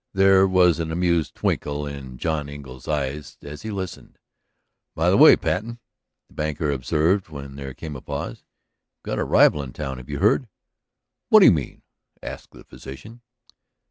There was an amused twinkle in John Engle's eyes as he listened. "By the way, Patten," the banker observed when there came a pause, "you've got a rival in town. Had you heard?" "What do you mean?" asked the physician.